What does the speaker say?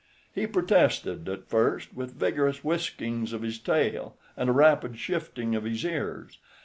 He protested, at first, with vigorous whiskings of his tail and a rapid shifting of his ears.